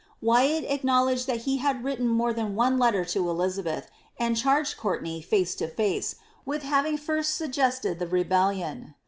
^ Wyat acknowledged that he had written more than one letter to Elizabeth, and charged Courtenay, face to face, with having first suggested the rebellion.